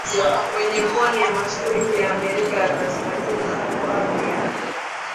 kwenye pwani ya mashariki ya Amerika ya Kaskazini tangu karne ya